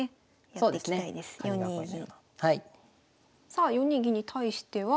さあ４二銀に対しては。